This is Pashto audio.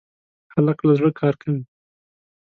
هلک له زړه کار کوي.